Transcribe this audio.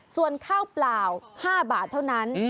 ส่วนข้าวเปล่า๕บาทเท่านั้น